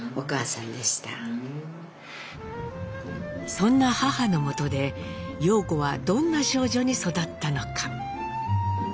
そんな母のもとで様子はどんな少女に育ったのか？